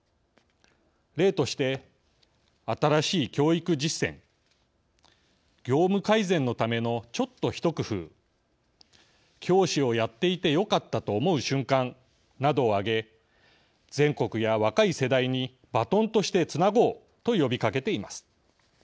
例として「新しい教育実践」「業務改善のためのちょっと一工夫」「教師をやっていてよかったと思う瞬間」などを挙げ全国や若い世代にバトンとしてつなごうと呼びかけています。